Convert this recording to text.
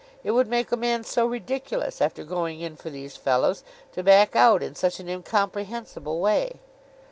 It would make a man so ridiculous, after going in for these fellows, to back out in such an incomprehensible way.